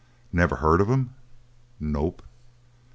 "Never heard of him?" "Nope."